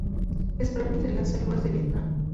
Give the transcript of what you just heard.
Es propia de las selvas de Vietnam.